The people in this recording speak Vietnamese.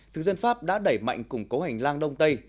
thực dân pháp đã đẩy mạnh củng cố hành lang đông tây